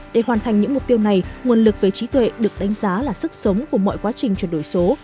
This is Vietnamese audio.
để hoàn thành những mục tiêu này nguồn lực về trí tuệ được đánh giá là sức sống của mọi quá trình chuyển đổi số